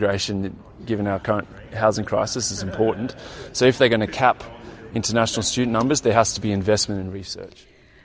jadi jika mereka akan mengurangi jumlah mahasiswa internasional harus ada investasi dan penelitian